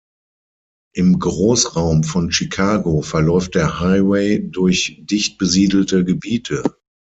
Im Großraum von Chicago verläuft der Highway durch dichtbesiedelte Gebiete.